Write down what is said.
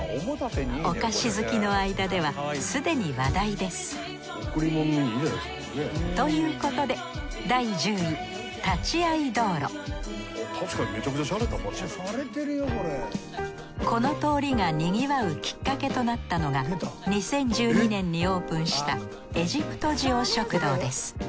お菓子好きの間ではすでに話題ですということでこの通りがにぎわうきっかけとなったのが２０１２年にオープンしたエジプト塩食堂です。